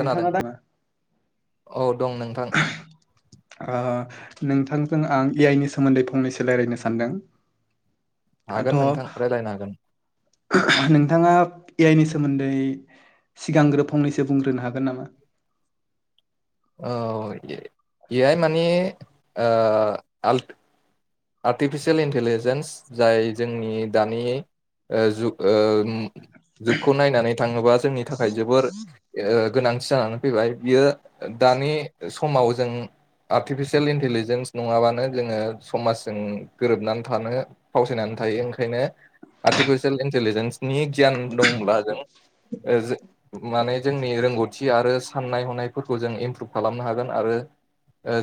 खोनादों? दा औ दं नोंथां ओ नोंथांजों आं ए आइ नि सोमोन्दै फंनैसो रायलायनो सानदों हागोन नोंथां दाथ' रायज्लायनो हागोन नोंथाङा ए आइ नि सोमोन्दै सिगांग्रो फंनैसो बुंग्रोनो हागोन नामा औ ए आइ माने आल्ट आर्टिफिसियेल इन्टेलिजेन्स जाय जोंनि दानि जुग जुगखौ नायनानै थाङोबा जोंनि थाखाय जोबोर ओ गोनांथि जानानै फैबाय बियो दानि समाव जों आर्टिफिसियेल इन्टलिजेन्स नङाबानो जोङो समाजजों गोरोबनानै थानो फावसायनानै थायो ओंखायनो आर्टिफिसियेल इन्टिलिजेन्सनि गियान दंब्ला जों माने जोंनि रोंगौथि थि आरो साननाय हनायफोरखौ जों इमप्रुभ खालामनो हागोन आरो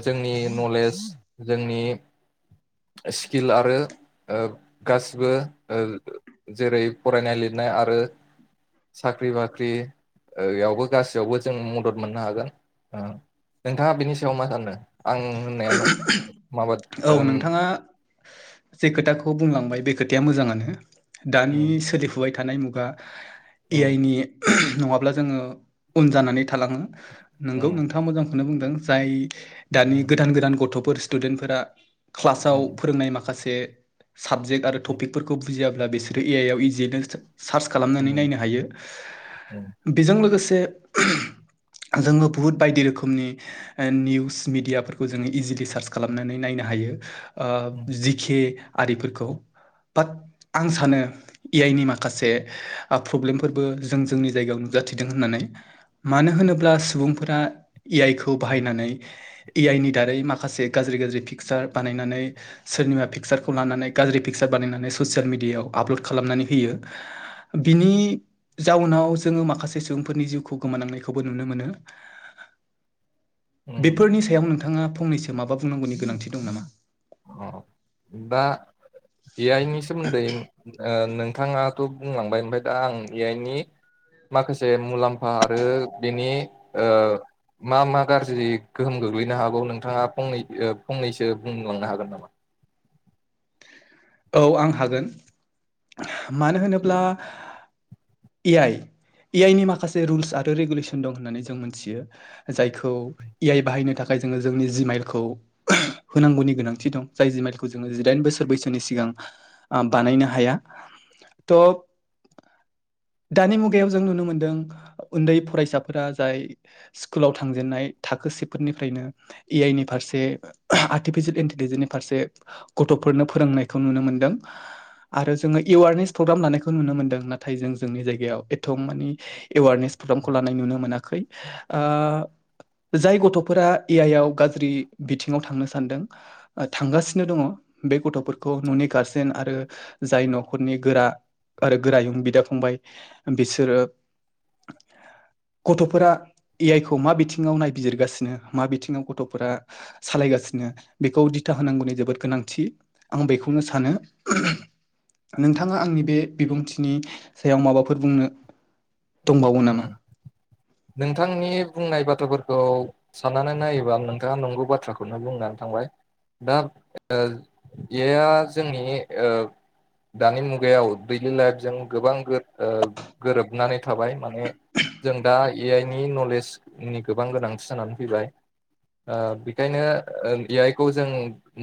जोंनि नलेज जोंनि [inaudible] स्किल आरो ओ गासिबो ओ जेरै फरायनाय लिरनाय आरो साख्रि बाख्रि ओ बेयावबो गासैयावबो जों मदद मोननो हागोन। नोंथाङा बेनि सायाव मा सानो? आं होननाया माबादि औ नोंथाङा जे खोथाखौ बुंलांबाय बे खोथाया मोजाङानो दानि उम सोलिफुबाय थानाय मुगा ए आइ उम नि नङाब्ला जोङो उन जानानै थालाङो नोंगौ उम नोंथाङा मोजांखौनो बुंदों जाय दानि उम गोदान गोदान गथ'फोर स्टुदेन्टफोरा क्लासाव उम फोरोंनाय माखासे साबजेक्ट आरो टपिकफोरखौ बुजियाब्ला बिसोरो ए आइ आव इजियनो सार्च खालामनानै उम नायनो हायो उम बेजों लोगोसे जोङो बुहुत बायदि रोखोमनि ओ निउस मिडियाफोरखौ जोङो इजिलि सार्च खालामनानै नायनो हायो ओ उम जिखे आरिफोरखौ बाट आं सानो ए आइ नि माखासे प्रब्लेमफोरबो जों जोंनि जायगायाव नु जाथि होननानै मानो होनोब्ला सुबुंफोरा ए आइ खौ बाहायनानै ए आइ [unintelligible] नि दारै माखसे गाज्रि गाज्रि फिक पसार बानायनानै सोरनिमा पिकसारखौ लानानै गाज्रि पिकचार बानायनानै ससियेल मिडियायाव आपल'ड खालामना नै होयो बिनि जाउनाव जोङो माखासे सुबुंफोरनि जिउखौ गोमानांनायखौबो नुनो मोनो [inaudible] उम बेफोरनि सायाव नोंथाङा फंनैसो माबा बुंनांगौनि गोनांथि दं नामा? अ दा ए आइ नि सोमोन्दै ओ नों थाङाथ' बुंलांबाय ओमफ्राय दा आं ए आइनि माखासे मुलाम्फा आरो बेनि मा मा गाज्रि गोहोम गोग्लैनो हागौ नोंथाङा फंनै ओ फंनैसो बुं बुंनो हागोन नामा? औ आं हागोन मानो होनोब्ला ए आइ ए आइ नि माखासे रुल्स आरो रेगुलेसन दं होननानै जों मोनथियो जायखौ ए आइ बाहायनो थाखाय खाय जो जोंनि जि माइलखौ होनांगौनि गोनांथि दं जाय जि माइलखौ जों जिदाइन बोसोर बैसो नि सिगां बानायनो हाया थ' दानि मुगायाव जों नुनो मोनदों उन्दै फरायसाफोरा जाय स्कुलाव थांजेनन्नाय थाखो सेफोरनिफ्रायनो ए आइ नि फारसे आर्टिफिसियेल इन्टेलिजेन्सनि फारसे गथ' फोरोंनायखौ नुनो मोनदों आरो जोङो एवारनेस फ्र'ग्राम लानायखौ नुनो मोनदों नाथाय जों जोंनि जायाव एथ'म एवनेग्रामखौ लाना नुनो मोनाखै ओ जाय गथ'फोरा ए आइ आ गाज्रि बिथिङाव थांनो सान्दों थांगासिनो दङ' बे गथ'फोरखौ न'नि गारजेन आरो जाय न'खरनि गोरा आरो गोरायुं बिदा फंबाय बिसोरो [inaudible] गथ'फोरा ए आइ खौ मा बिथिङाव नायबिजिरगासिनो मा बिथिङाव गथ'फोरा सालायगासि सिनो बेखौ दिथा होनांगौनि जोबोद गोनांथि आं बेखौनो सानो। नोंथाङा आंनि बे बिबुंथिनि सायाव माबाफोर बुंनो दंबावो नामा? उम नोंथांनि बुंनाय बाथ्राफोरखौ साननानै नायोबा नोंथाङा नंगौ बाथ्राखौनो बुंनानै थां बाय दा बे ए आइ जोंनि ओ दानि मुगायाव दैलि लाइफजों गोबां गोर ओ गोरोबनानै थाबाय। माने जों दा ए आइ नि नलेजनि गोबां गोनांथि जानानै फैबाय ओ बेखायनो ए आइखौ जों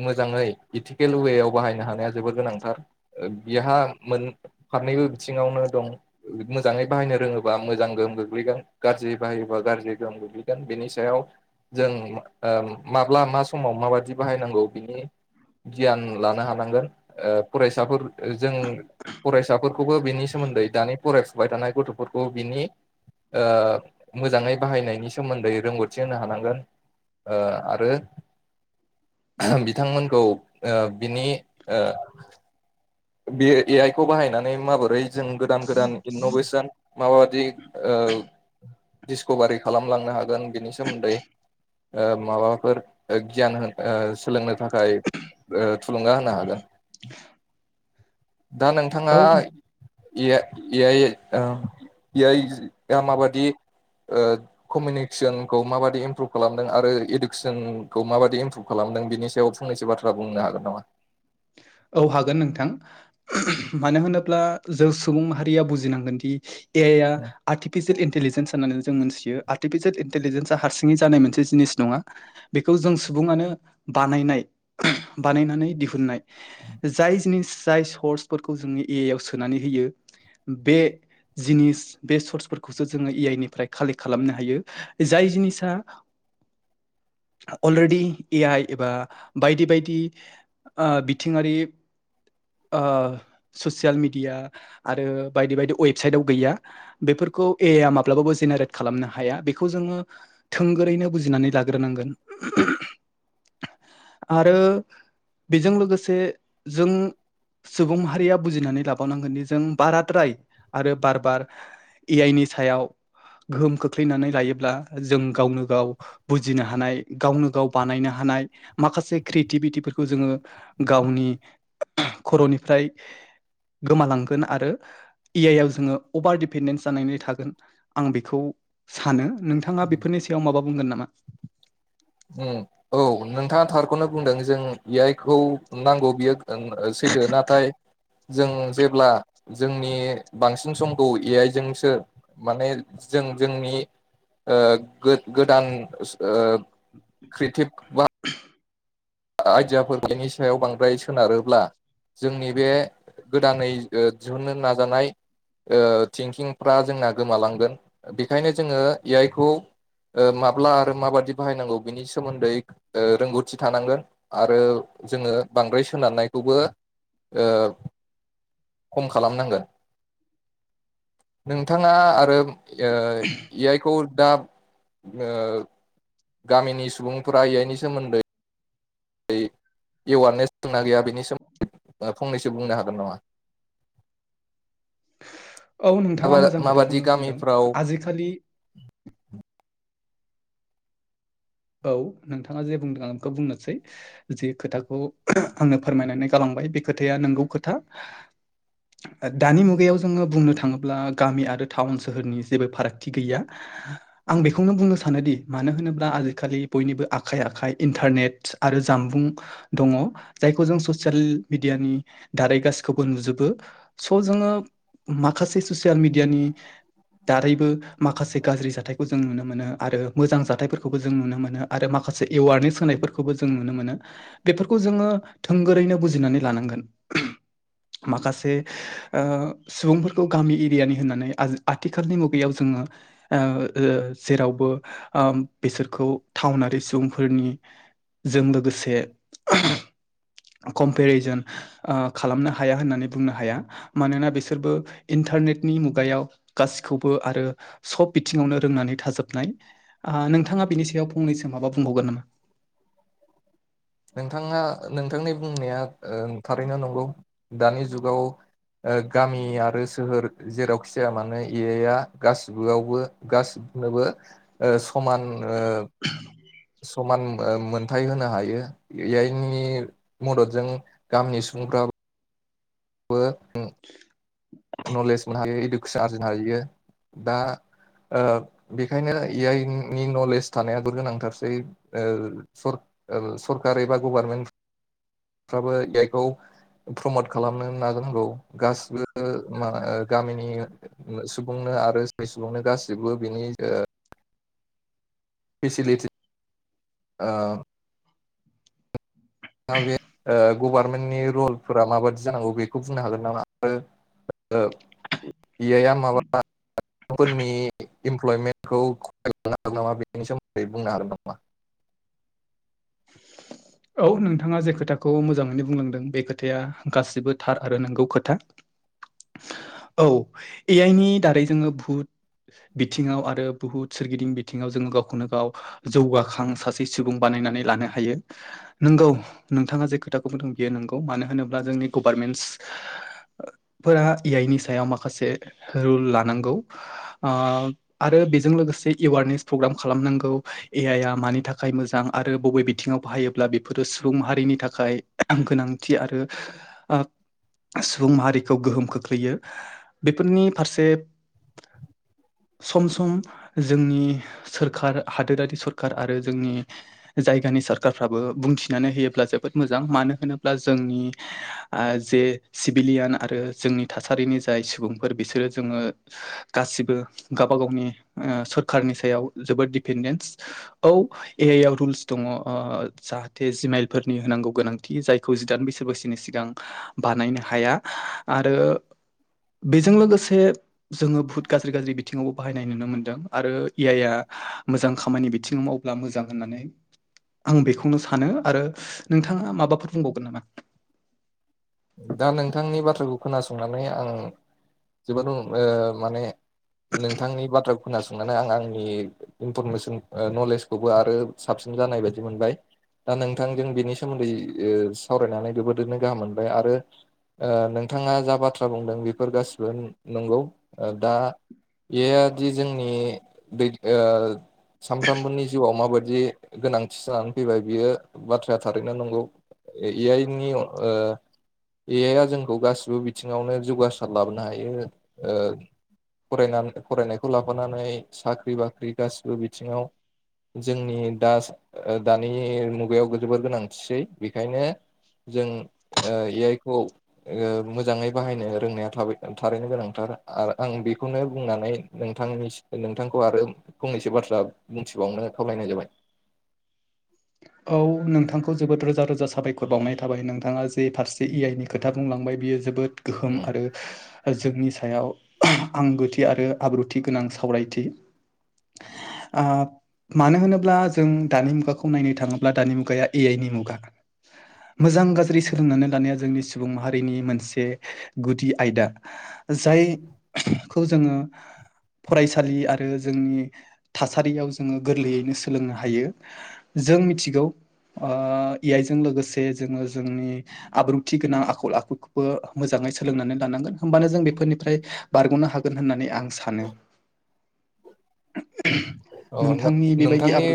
मोजाङै इटिकेल वेव बाहायनो हानाया जोबोर गोनांथार बिहा मोन फारनैबो बिथिङावनो दं मोजाङै बाहायनो रोङो बा मोजां गोहोम गोग्लैगोन गाज्रि बाहायोबा गाज्रि गोहोम गोग्लैगोन बेनि सायाव जों मा ओ माब्ला मा समाव माबादि बाहायनांगौ बिनि गियान लानो हानांगोन ओ फरायसाफोर जों फरायसाफोरखौबो बेनि सोमोन्दै दानि फरायफुबाय थानाय गथ'फोरखौ बिनि ओ मोजाङै बाहायनायनि सोमोन्दै रोंगौथि होनो हानांगोन। ओ आरो बिथांमोनखौ ओ बिनि ओ बे ए आइ खौ बाहायनानै माबोरै जों गोदान गोदान इन'भेसोन माबादि ओ औ डिसकभारि खालामलांनो हागोन बिनि सोमोन्दै। ओ माबाफोर ओ गियान होन ओ सोलोंनो थाखाय ओ थुलुंगा होनो हागोन। दा नोंथाङा औ इ या इ याइ ओ इ आइआ माबादि ओ कमिनिक्सोनखौ माबादि इमप्रुभ खालामदों आरो इडुक्सोनखौ माबादि इमप्रुभ खालाम दों बिनि सायाव फंनैसो बाथ्रा बुंनो हागोन नामा? औ हागोन नोंथां मानो होनोब्ला जों सुबुं माहारिया बुजिनांगोन दि ए आइ या आर्टिफिसेल इन टिलिजेन सान्नानैनो जों मोन्थियो आर्टिफिसेल इन्टेलिजेन्सा हारसिङै जानाय मोनसे जिनिस नङा बेखौ जोंसो बुङानो बानायनाय बानायनानै दिहुन्नाय। जाय जिनिस जाय सर्सफोरखौ जोंनि ए आइ आव सोनानै होयो बे जिनिस बे सर्सफोरखौसो जोङो ए आइ निफ्राय खालेक्ट खालामनो हायो जाय जिनिसा अलरेडि ए आइ एबा बायदि बायदि ओ बि थिङारि ओ ससियेल मिडिया आरो बायदि बायदि वेबसाइटआव गैया बेफोर खौ ए आइया माब्लाबाबो जेनेरेट खालामनो हाया बेखौ जोङो थोंगोरैनो बुजिनानै लाग्रोनांगोन। [inaudible] आरो बेजों लोगोस ओ नि जों बाराद्राय आरो बार बार ए आइ नि सायाव गोहोम खोख्लैनानै लायोब्ला जों गावनो गाव बुजिनो हानाय गावनो गाव बानायनो हा नाय माखासे क्रिएटिबिटिफोरखौ जोङो गावनि खर'निफ्राय गोमालांगोन आरो ए आइ आव जोङो अपार डिपेडेन्स जानायनै थागोन आं बेखौ सानो नोंथाङा बेफोरनि सायाव माबा बुंगोन नामा? उम औ नोंथाङा थारखौनो बुंदों जों ए आइ खौ नांगौ बियो ओं ओ सै थो नाथाय जों जेब्ला जोंनि बांसिन समखौ ए आइ जोंसो माने जो जों जोंनि ओ गोद-गोदान ओस ओ ख्रिटिब आयदियाफोर बेनि सायाव बांद्राय सोनारोब्ला जोंनि बे गोदानै ओ दिहुन्नो नाजानाय ओ थिंकिंफ्रा जोंना गोमालांगोन बेखायनो जोङो ए आइखौ ओ माब्ला आरो माबादि बाहायनांगौ बिनि सोमोन्दै ओ रोंगौथि थानांगोन। आरो जोङो बांद्राय सोनारनायखौबो ओ खम खालामनांगोन नोंथाङा आरो ओ ए आइखौ दाब ओ गामिनि सुबुंफोरा ए आइनि सोमोन्दै दै इवारनेस दंना गैया बेनि सोमोन्दै फंनैसो बुंनो हागोन नामा? औ नोंथाङा मोजां माबादि खोथाखौनो बुंदों गामिफ्राव आजिखालि औ नोंथाङा जे बुंदों आं खौ बुंनोसै जे खोथाखौ आंनो फोरमायनानै गालां बाय बे खोथाया नोंगौ खोथा ओ दानि मुगायाव जोङो बुंनो थाङोब्ला गामि आरो टाउन सोहोरनि जेबो फारागथि गैया। आं बिखौनो बुंनो सानोदि मानो होनोब्ला आजि खालि बयनिबो आखाइ आखाइ इन्टारनेट आरो जामबुं दङ जायखौ जों ससियेल मिदियानि दारै गासिखौबो नुजोबो स' जोङो माखासे ससियेल मिडियानि दारैबो माखासे गाज्रि जाथायखौ जों नुनो मोनो आरो मोजां जाथायफोरखौ जों नुनो मोनो आरो माखासे एवारनेस होनायफोरखौबो जों नुनो मोन। बेफोरखौ जोङो थोंगोरैनो बुजिनानै लानांगोन। माखासे ओ सुबुंफोरखौ गामि एरियानि होननानै आजि आथिखालनि मुगायाव जों ओ ओ ओ जेरावबो ओम बेसोरखौ थावनारि सुबुंफोरनिजों लोगोसे कमपेरिजोन ओ खालामनो हाया होननानै बुंनो हाया। मानोना बिसोरबो इन्टा टारनेटनि मुगायाव गासिखौबो आरो सब बिथिङावनो रोंनानै थाजोबनाय। आ नोंथाङा बिनि सायाव फंनैसो माबा बुंबावगोन नामा? नोंथाङा नोंथांनि बुंनाया ओं थारैनो नंगौ। दानि जुगाव ओ गामि आरो सोहोर जेरावखि जाया मानो ए आइ आ गासिबोआवबो गासिबो नोबो ओ समान ओ समान ओम मोनथाय होनो हायो ए आइ नि मददजों गामिनि सुबुंफोराबो बो नलेज मोननो हायो इडुकेसन आरजिनो हायो। दा ओ बेखायनो ए आइ नि नलेज थानायाबो गोनांथारसै ओ सर ओ सरकार बा गभारनमेन्ट फ्राबो ए आइ खौ प्रमत खालामनो नाजानांगौ। गासिबो ओ मा ओ गामिनि सुबुंनो आरो सुबुंनो गासिबो बिनि ओ [unintelligible] फेसिलिटि ओ ओ गभार्मेन्टनि रलफोरा माबादि जानांगौ बेखौ बुंनो हागोन नामा? ए आइ आ माबा फोरनि इमप्लयमेन्टखौ खमायलांनो हागोन नामा बेनि सोमोन्दै बुंनो हागोन नामा? [inaudible] औ नोंथाङा जे खोथाखौ मोजाङैनो बुंलांदों बे खोथाया गासिबो थार आरो नोंगौ खोथा। औ ए आइ नि दारै जोङो भुथ बिथिङाव आरो बुहुत सोरगिदिं बिथिङाव जोङो गावखौनो गाव जौगाखां सासे सुबुं बा नायनानै लानो हायो। नोंगौ। नोंथाङा जे खोथाखौ बुंदों बेयो नोंगौ। मानो होनोब्ला जोंनि गभार्नमेन्स फोरा इ आइ नि सायाव माखासे रुल लानांगौ। ओ आरो बिजों लोगोसे एवारनेस प्रग्राम खालामनांगौ, ए आइ आ मानि थाखाय मोजां आरो बबे बिथिङाव बाहायोब्ला बेफोरो सुबुं माहारिनि थाखाय गोनांथि आरो ओ सुबुं माहारिखौ गोहोम खोख्लैयो बिफोरनि फारसे [inaudible] सम सम जोंनि सोरखार, हादोरारि सरखार आरो जोंनि जायगानि सोर खारफ्राबो बुंथिनानै होयोब्ला जोबोद मोजां। मानो होनोब्ला जोंनि ओ जे सिभिलियान आरो जोंनि थासारिनि जाय सुबुंफोर बिसोरो जोङो गासिबो गावबा गावनि ओ सोरखारनि सायाव जोबोद दिडिपेन्डेन्स। औ ए आइ आव रुल्स दङ। ओ जाहाथे जिमाइलफोरनि होनांगौ गोनांथि, जायखौ जिदाइन बैसो बैसोनि सिगां बानायनो हा हाया आरो बेजों लोगोसे जोङो भुत गाज्रि गाज्रि बिथिङावबो बाहायनाय नुनो मोनदों आरो ए आइ आ मोजां खामानि बिथिङाव मावब्ला मोजां होननानै आं बेखौनो सानो आरो नोंथाङा माबाफोर बुंबावगोन नामा? दा नोंथांनि बाथ्राखौ खोनासंनानै आं जोबोद ओ माने नोंथांनि बाथ्राखौ खोनासंनानै आं आंनि इनपरमेसन ओ नलेजखौबो आरो साबसिन जानाय बायदि मोनबाय। दा नोंथांजों बिनि सोमोन्दै ओ सावरायनानै जोबोरैनो गाहाम मोन बाय आरो ओ नोंथाङा जा बाथ्रा बुंदों बेफोर गासिबो नंगौ। ओ दा बेयोदि जोंनि दै ओ सानफ्रोमबोनि जिउआव माबायदि गोनांथि जानानै फैबाय बियो बाथ्राया थारैनो नंगौ ए आइनि ओ ए आइ आ जोंखौ गासिबो बिथिङावनो जौगासार लाबोनो हायो ओ फरायनानै फरायनायखौ लाबोनानै साख्रि बाख्रि गाससिबो बिथिङाव जोंनि दा दानि मुगायाव जोबोर गोनांथिसै बेखायनो जों ए आइ खौ मोजाङै ओ बाहायनो रोंनाया थारैनो गोनांथार आरो आं बेखौनो बुंनानै नोंथांनि नोंथांखौ आरो फंनैसो बाथ्रा बुंथिबावनो खावलायनाय जाबाय [unintelligible] औ नोंथांखौ जोबोद रोजा रोजा साबायखर बावनाय थाबाय नोंथाङा जे फारसे ए आइ नि खोथा बुंलांबाय बियो जोबोद गोहोम आरो जोंनि सायाव आंगोथि आरो आब्रुथि गोनां सावरायथि ओ मानो होनोब्ला जों दानि मुगाखौ नायनो थाङोब्ला ब्ला दानि मुगाया ए आइनि मुगा। मोजां गाज्रि सोलोंनानै लानाया जोंनि सुबुं माहारिनि मोनसे गुदि आयदा। जायखौ जोङो। फरायसालि आरो जोंनि थासारियाव जोङो गोरलैयैनो सोलोंनो हायो। जों मिथिगौ ओ ए आइ जों लोगोसे जोङो जोंनि आब्रुथि गोनां आखल आखुखौबो मोजाङै सोलोंनानै लानांगोन होमबानो जों बेफोरनिफ्राय बारग'नो हागोन होननानै आं सानो। [unintelligible] अ नों नोंथांनि बेबायदि नोंथांनि आब्रुथि